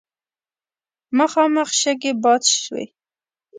مخامخ شګې باد شوې.